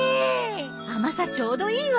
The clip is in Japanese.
甘さちょうどいいわ。